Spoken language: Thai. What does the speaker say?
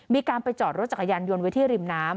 มีการไปจอดรถจักรยานยนต์ไว้ที่ริมน้ำ